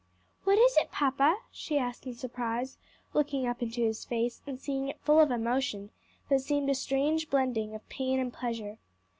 "What is it, papa?" she asked in surprise, looking up into his face and seeing it full of emotion that seemed a strange blending of pain and pleasure.